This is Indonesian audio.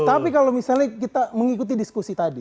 tapi kalau misalnya kita mengikuti diskusi tadi